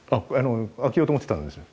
開けようと思ってたんですよ。